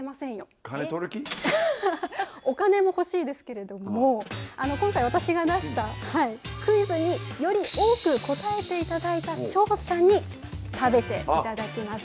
お金も欲しいですけれども今回私が出したクイズにより多く答えていただいた勝者に食べていただきます。